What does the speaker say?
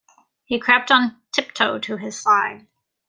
He crept on tiptoe to his side.